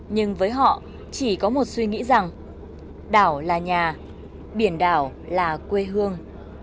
nhưng với họ chỉ có một suy nghĩ rằng đảo là nhà biển đảo là quê hương